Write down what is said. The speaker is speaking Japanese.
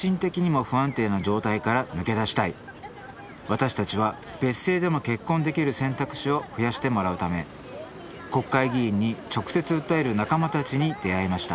私たちは別姓でも結婚できる選択肢を増やしてもらうため国会議員に直接訴える仲間たちに出会いました。